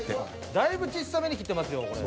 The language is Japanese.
だいぶちっさめに切ってますよこれ。